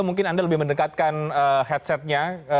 mungkin anda lebih mendekatkan headsetnya